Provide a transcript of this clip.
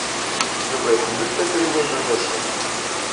Yuba iḥemmel tafriwin n uyaziḍ.